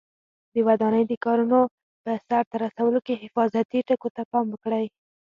د ودانۍ د کارونو په سرته رسولو کې حفاظتي ټکو ته پام وکړئ.